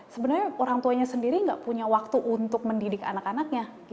sebenarnya orang tuanya sendiri nggak punya waktu untuk mendidik anak anaknya